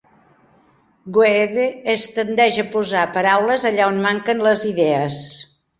Goethe: es tendeix a posar paraules allà on manquen les idees.